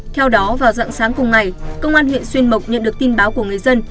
theo đó vào dạng sáng cùng ngày công an huyện xuyên mộc nhận được tin báo của người dân